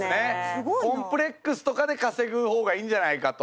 コンプレックスとかで稼ぐ方がいいんじゃないかと。